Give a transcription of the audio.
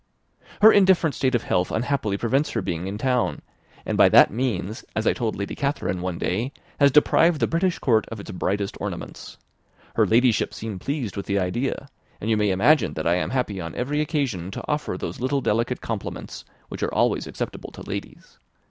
"Her indifferent state of health unhappily prevents her being in town; and by that means, as I told Lady Catherine myself one day, has deprived the British Court of its brightest ornament. Her Ladyship seemed pleased with the idea; and you may imagine that I am happy on every occasion to offer those little delicate compliments which are always acceptable to ladies.